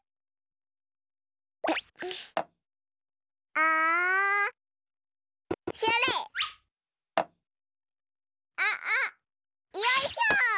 あっあっよいしょ！